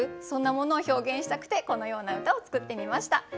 そんなものを表現したくてこのような歌を作ってみました。